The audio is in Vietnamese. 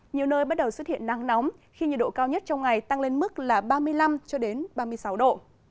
nhiều nơi bắt đầu xuất hiện nắng nóng khi nhiệt độ cao nhất trong ngày tăng lên mức là ba mươi năm ba mươi sáu độ